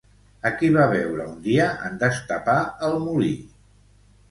A qui va veure un dia en destapar el molí?